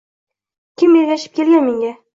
Kim ergashib kelgan menga.